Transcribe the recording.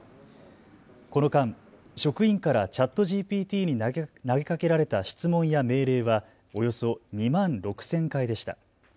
この間、職員からＣｈａｔＧＰＴに投げかけられた質問や命令はおよそ２万６０００回でした。